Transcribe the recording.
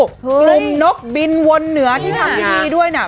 กลุ่มนกบินวนเหนือที่ทำพิธีด้วยเนี่ย